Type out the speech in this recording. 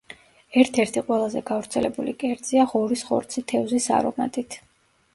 ერთ-ერთი ყველაზე გავრცელებული კერძია ღორის ხორცი თევზის არომატით.